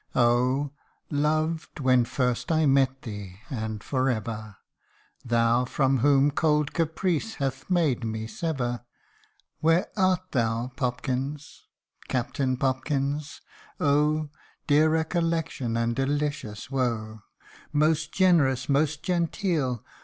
Oh ! loved when first I met thee, and for ever, Thou, from whom cold caprice hath made me sever RECOLLECTIONS OF A FADED BEAUTY. 233 Where art thou, Popkins ? Captain Popkins ! oh ! Dear recollection and delicious woe ! Most generous, most genteel.